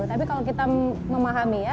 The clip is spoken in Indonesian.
tapi kalau kita memahami ya